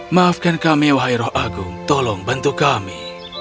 maafkan kami wahai roh agung tolong bantu kami